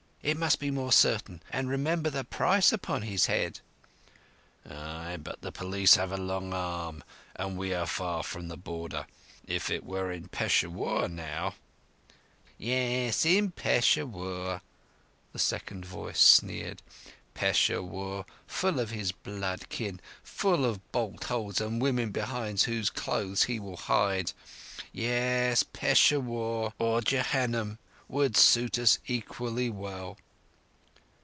It must be more certain; and remember the price upon his head." "Ay, but the police have a long arm, and we are far from the Border. If it were in Peshawur, now!" "Yes—in Peshawur," the second voice sneered. "Peshawur, full of his blood kin—full of bolt holes and women behind whose clothes he will hide. Yes, Peshawur or Jehannum would suit us equally well."